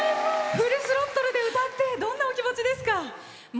フルスロットルで歌ってどんなお気持ちですか？